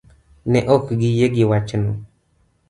Ne ok giyie gi wachno.